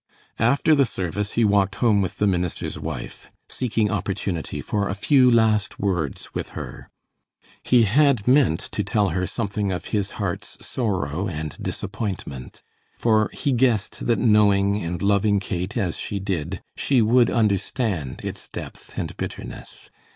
After the service he walked home with the minister's wife, seeking opportunity for a few last words with her. He had meant to tell her something of his heart's sorrow and disappointment, for he guessed that knowing and loving Kate as she did, she would understand its depth and bitterness.